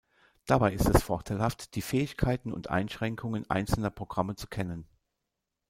Dabei ist es vorteilhaft, die Fähigkeiten und Einschränkungen einzelner Programme zu kennen.